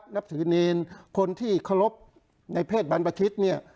นับถือเนรคนที่เคารพในเพศบรรพชิตเนี่ย